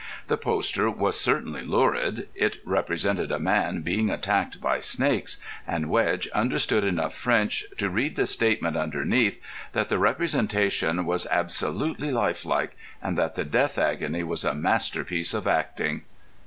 The poster was certainly lurid. It represented a man being attacked by snakes, and Wedge understood enough French to read the statement underneath that the representation was absolutely life like, and that the death agony was a masterpiece of acting.